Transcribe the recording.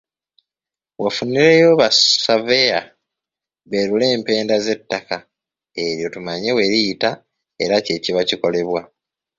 Wafunibweeyo ba Surveyor beerule empenda z'ettaka eryo tumanye weriyita era kye kiba kikolebwa.